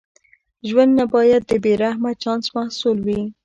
ژوند نه باید د بې رحمه چانس محصول وي.